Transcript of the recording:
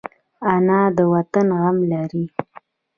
انا د وطن غم لري